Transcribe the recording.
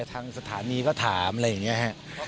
ทางสถานีก็ถามอะไรอย่างนี้ฮะ